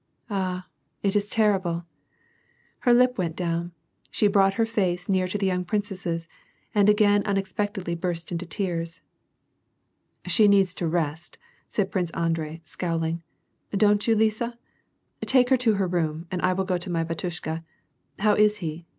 " Ah, it is terrible." Her lip went down. She brought her face near to the young princess's, and again unexpectedly burst into tears. "She needs to rest/' said Prince Andrei, scowling, "Don't you Lisa ? Take lier to her room and I will go to my bat yushka. How is he ?